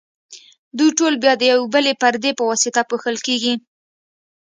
دوی ټول بیا د یوې بلې پردې په واسطه پوښل کیږي.